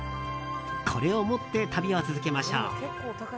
これを持って旅を続けましょう。